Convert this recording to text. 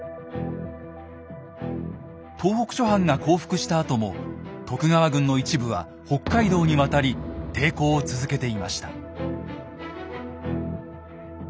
東北諸藩が降伏したあとも徳川軍の一部は北海道にわたり抵抗を続けていました。